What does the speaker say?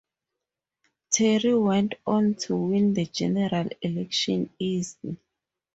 Terry went on to win the general election easily.